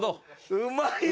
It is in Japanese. うまいな。